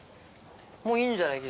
もういいんじゃない？